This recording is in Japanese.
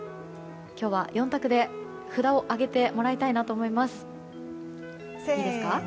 今日は４択で札を上げてもらいたいなと思います。